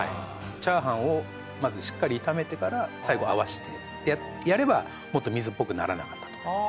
チャーハンをまずしっかり炒めてから最後合わせてってやればもっと水っぽくならなかったと思います。